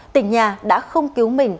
tỉnh nhà đã không cứu mình